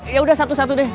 yaudah satu satu deh